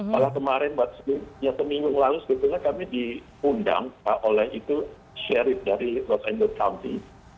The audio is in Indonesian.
malah kemarin yang kemingung lalu sebetulnya kami diundang oleh itu syarif dari los angeles county